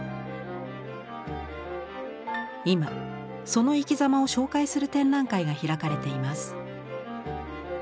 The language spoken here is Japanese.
今その生きざまを紹介する展覧会が開かれています。